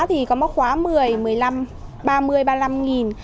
thì có khóa một mươi một mươi năm ba mươi ba mươi năm nghìn